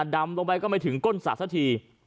ดำลงไปก็ไม่ถึงก้นสระสักที